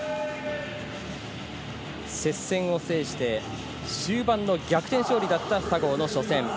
接戦を制して、終盤の逆転勝利だった佐合の初戦。